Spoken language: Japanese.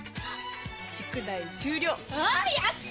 宿題終了。わやった。